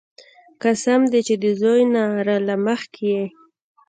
قسم دې چې د زوى نه راله مخکې يې.